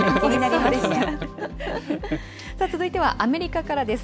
続いてはアメリカからです。